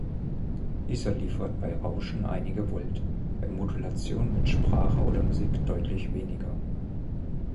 Dieser liefert bei Rauschen einige Volt, bei Modulation mit Sprache oder Musik deutlich weniger.